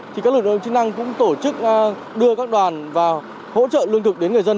thì các lực lượng chức năng cũng tổ chức đưa các đoàn vào hỗ trợ lương thực đến người dân